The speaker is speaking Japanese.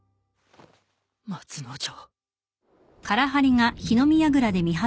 松之丞。